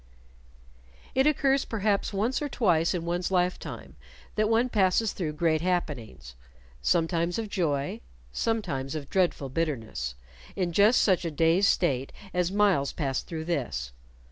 It occurs perhaps once or twice in one's lifetime that one passes through great happenings sometimes of joy, sometimes of dreadful bitterness in just such a dazed state as Myles passed through this.